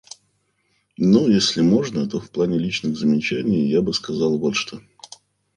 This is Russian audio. Ну и если можно, то в плане личных замечаний я бы сказал вот что.